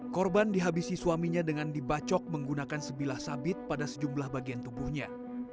korban dihabisi suaminya dengan dibacok menggunakan sebilah sabit pada sejumlah bagian tubuhnya